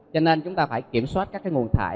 cho nên chúng ta phải kiểm soát các nguồn thải